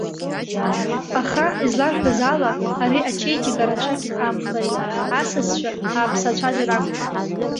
Аха, изларҳәоз ала, ари ачеиџьыка рацәак ихаамхеит, асасцәа ааԥсацәазар акәхап.